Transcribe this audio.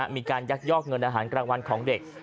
มีการยักยอกเงินอาหารกลางวันของเด็ก